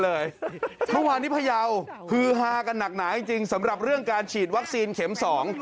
เมื่อวานที่พยาวฮือฮากันหนักหนาจริงจริงสำหรับเรื่องการฉีดวัคซีนเข็มสอง